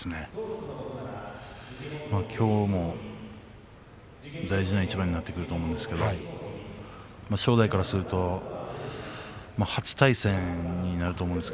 きょうも大事な一番になってくると思うんですけれど正代からすると初対戦になると思うんです。